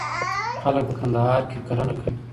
خلک په کندهار کي کرنه کوي.